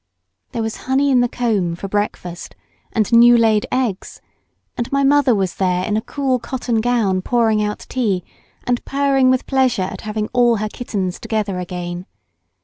There was honey in the comb for breakfast, and new laid eggs, and my mother was there in a cool cotton gown pouring out tea, and purring with pleasure at having all her kittens together again.